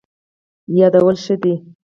یادول ښه دی.